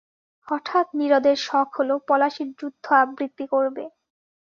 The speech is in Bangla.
হঠাৎ নীরদের শখ হল পলাশির যুদ্ধ আবৃত্তি করবে।